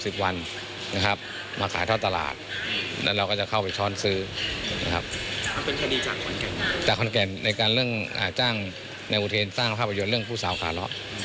จากขอนแก่นในการเรื่องจ้างแนวอุทีนสร้างภาพประโยชน์เรื่องผู้สาวขาเหลา